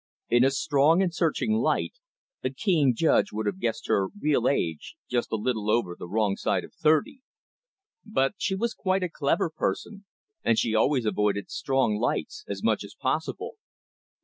In a strong and searching light, a keen judge would have guessed her real age, just a little over the wrong side of thirty. But she was quite a clever person, and she always avoided strong lights as much as possible.